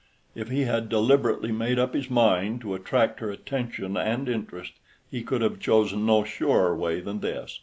If he had deliberately made up his mind to attract her attention and interest, he could have chosen no surer way than this.